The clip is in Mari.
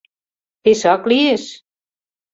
— Пешак лиеш!